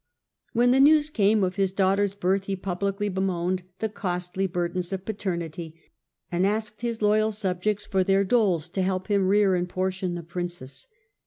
When the news came of his daughter's birth he publicly bemoaned the costly burdens of paternity, and asked his loyal subjects for theii doles to help him rear and portion the princess.